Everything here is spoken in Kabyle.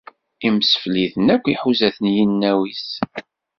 Imsefliden akk iḥuza-ten yinaw-is.